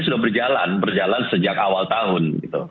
sudah berjalan berjalan sejak awal tahun